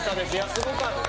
すごかった！